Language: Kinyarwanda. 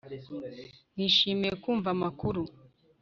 Nishimiye kumva amakuru